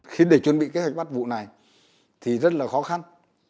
khiến để chuẩn bị kế hoạch bắt vụ này thì rất là khó khăn